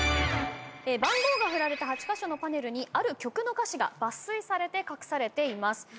番号が振られた８カ所のパネルにある曲の歌詞が抜粋されて隠されています。